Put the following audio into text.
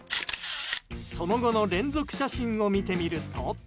その後の連続写真を見てみると。